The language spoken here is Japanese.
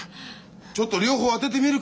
ちょっと両方当ててみるからさ